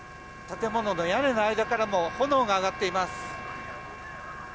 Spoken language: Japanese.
建物の屋根の間からも炎が上がっています。